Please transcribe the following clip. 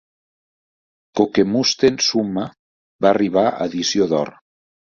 "Kokemusten Summa" va arribar a edició d'or.